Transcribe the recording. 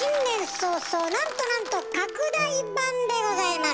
早々なんとなんと拡大版でございます。